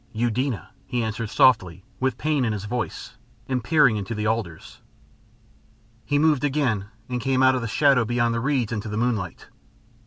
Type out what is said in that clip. "Eudena," he answered softly with pain in his voice, and peering into the alders. He moved again, and came out of the shadow beyond the reeds into the moonlight.